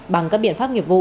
bằng các biện pháp nghiệp vụ